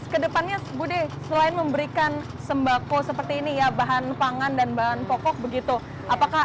kedepannya budi selain memberikan sembako seperti ini ya bahan pangan dan bahan pokok begitu apakah